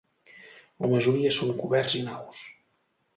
La majoria són coberts i naus.